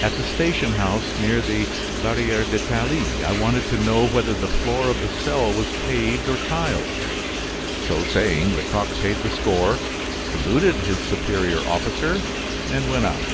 "At the station house near the Barriere d'Italie. I wanted to know whether the floor of the cell was paved or tiled." So saying, Lecoq paid the score, saluted his superior officer, and went out.